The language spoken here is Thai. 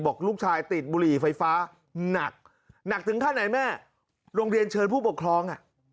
บอกลูกชายติดบุหรี่ไฟฟ้าหนักหนักถึงขั้นไหนแม่โรงเรียนเชิญผู้ปกครองอ่ะ